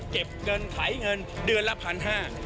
เก็บเงินขายเงินเดือนละ๑๕๐๐บาท